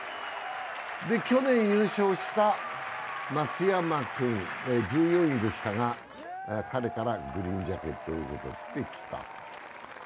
去年優勝した松山君、１４位でしたが彼からグリーンジャケットを受け取って、着た。